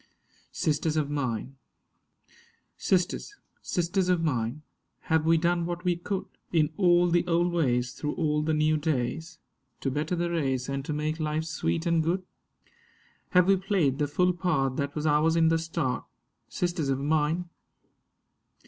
SISTERS OF MINE SISTERS, sisters of mine, have we done what we could In all the old ways, through all the new days, To better the race and to make life sweet and good? Have we played the full part that was ours in the start, Sisters of mine?